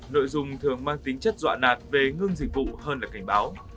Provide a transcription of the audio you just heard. nội dung thường mang tính chất dọa nạt về ngưng dịch vụ hơn là cảnh báo